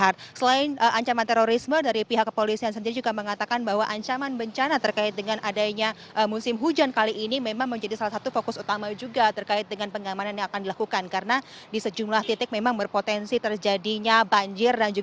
dan ini juga menyebabkan penyerangan pada saat ini